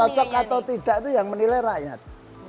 cocok atau tidak itu yang menilai rakyat